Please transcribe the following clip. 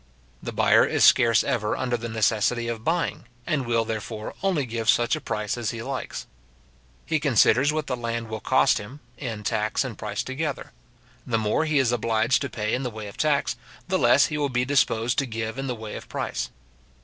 The buyer is scarce ever under the necessity of buying, and will, therefore, only give such a price as he likes. He considers what the land will cost him, in tax and price together. The more he is obliged to pay in the way of tax, the less he will be disposed to give in the way of price.